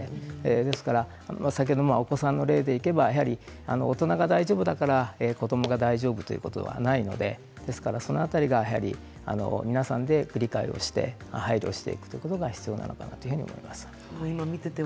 ですから先ほどお子さんの例でいけば大人が大丈夫だから子どもが大丈夫ということではないのでその辺りが、やはり皆さんで振り返りをして配慮していくことが大事です。